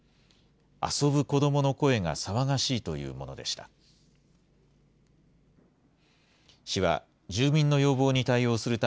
遊ぶ子どもの声が騒がしいというものでした。